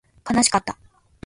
悲しかった